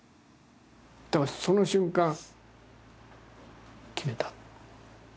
だからその瞬間決めた。